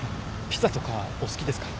ピザとかお好きですか？